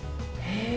へえ。